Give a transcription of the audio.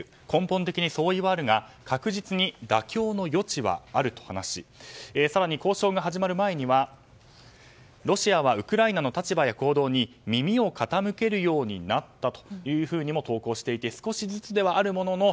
根本的に相違はあるが確実に妥協の余地はあると話し更に交渉が始まる前にはロシアはウクライナの立場や行動に耳を傾けるようになったというふうにも投稿していて少しずつではあるもの